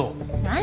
何？